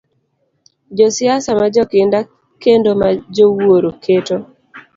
Josiasa ma jokinda kendo ma jowuoro, keto